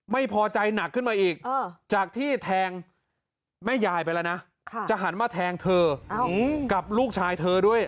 ไม่พอใจหนักขึ้นมาอีกจากที่แทงแม่ยายไปแล้วนะจะหันมาแทงเธอกับลูกชายเธอด้วย